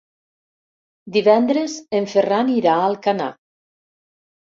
Divendres en Ferran irà a Alcanar.